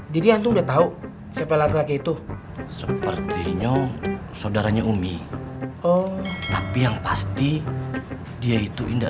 jadi antum udah tahu siapa laki laki itu sepertinya saudaranya umi oh tapi yang pasti dia itu indah